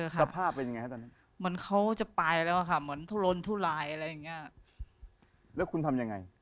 คุณไปเจอเข้า